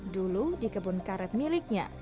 dulu di kebun karet miliknya